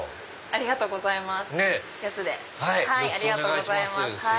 ありがとうございます。